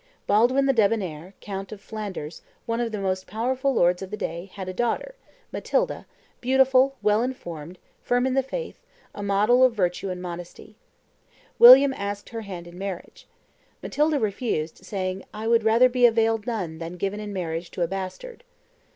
Baldwin the Debonnair, count of Flanders, one of the most powerful lords of the day, had a daughter, "Matilda, beautiful, well informed, firm in the faith, a model of virtue and modesty." William asked her hand in marriage. Matilda refused, saying, "I would rather be veiled nun than given in marriage to a bastard."